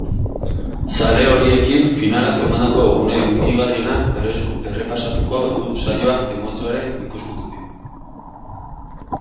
Zale horiekinfinalak emandako une hunkigarrienak errepasatuko du saioak emozioarenikuspuntutik.